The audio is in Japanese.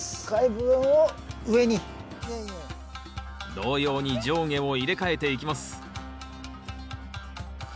同様に上下を入れ替えていきます